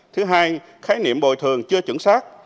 thứ hai khái niệm bồi thường chưa chứng xác